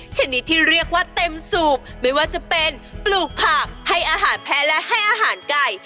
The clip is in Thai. ชนิดที่เรียกว่าเต็มสูบไม่ว่าจะเป็นปลูกผักให้อาหารแพ้และให้อาหารไก่